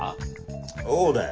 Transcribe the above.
そうだよ。